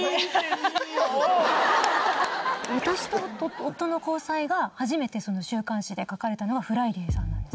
私と夫の交際が初めて週刊誌で書かれたのが『ＦＲＩＤＡＹ』さんなんです。